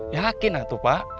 yakin atu pak